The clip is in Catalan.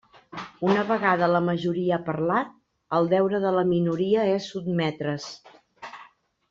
Una vegada la majoria ha parlat, el deure de la minoria és sotmetre's.